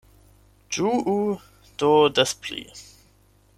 Ĝuu do des pli!